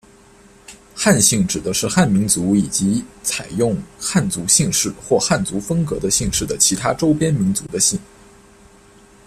汉姓指的是汉民族以及采用汉族姓氏或汉族风格的姓氏的其他周边民族的姓。